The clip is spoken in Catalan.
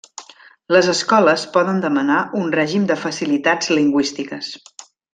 Les escoles poden demanar un règim de facilitats lingüístiques.